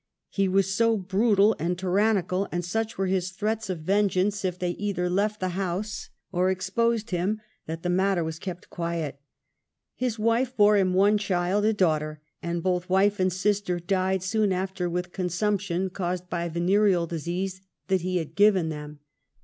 He was so brutal and tyrannical, and such were his threats of vengeance if HERMAPHRODITES. 33 tliey either left the house or exposed him, that the matter was kept quiet. His wife bore him one child, a dauo hter, and both wife and sister died soon after with consumption, caused by venereal disease that he had given them.